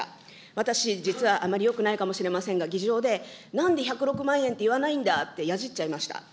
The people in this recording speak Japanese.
私、実はあまりよくないかもしれませんが、議事堂で、なんで１０６万円って言わないんだってやじっちゃいました。